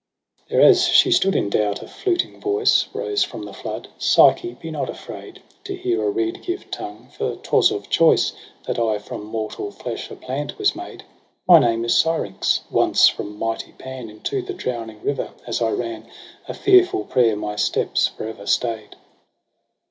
lo There as she stood in doubt, a fluting voice Rose from the flood, ' Psyche, be not afraid To hear a reed give tongue, for 'twas of choice That I' from mortal flesh a plant was made. My name is Syrinx y once from mighty Pan Into the drowning river as I ran, A fearful prayer my steps for ever stay'd.